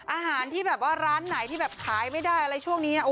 อาหารที่แบบว่าร้านไหนที่แบบขายไม่ได้อะไรช่วงนี้นะ